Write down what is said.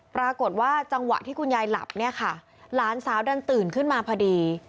ปรากฏว่าจังหวะที่คุณยายหลับเนี่ยค่ะหลานสาวดันตื่นขึ้นมาพอดี